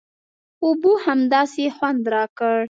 اوبو همداسې خوند راکړ.